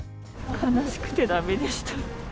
悲しくてだめでした。